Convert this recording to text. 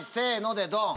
でドン。